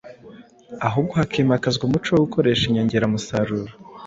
ahubwo hakimakazwa umuco wo gukoresha inyongeramusaruro.